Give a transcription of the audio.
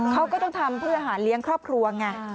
เขาก็ต้องทำเพื่อหาเลี้ยงครอบครัวไง